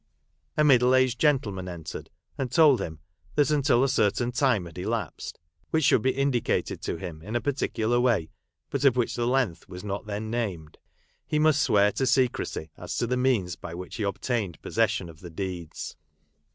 A middle aged gentleman entered, and told him that, until a certain time had elapsed (which should be indicated to him in a particular way, but of which the length was not then named), he must swear to secrecy as to the means by which he obtained possession of the deeds.